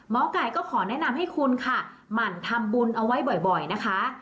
ไก่ก็ขอแนะนำให้คุณค่ะหมั่นทำบุญเอาไว้บ่อยนะคะ